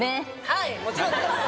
はいもちろんです